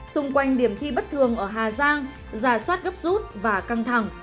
xung quanh điểm thi bất thường ở hà giang giả soát gấp rút và căng thẳng